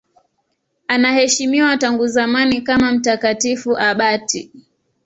Anaheshimiwa tangu zamani kama mtakatifu abati.